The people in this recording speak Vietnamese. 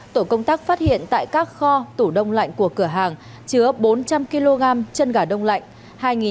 tổ công tác phát hiện tại các kho tủ đông lạnh của cửa hàng chứa bốn trăm linh kg chân gà đông lạnh